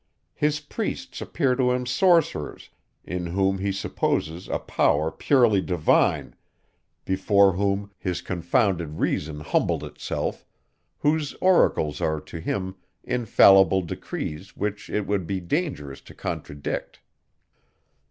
His priests appear to him sorcerers, in whom he supposes a power purely divine, before whom his confounded reason humbles itself, whose oracles are to him infallible decrees which it would be dangerous to contradict.